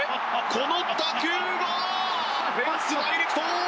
この打球がフェンスダイレクト！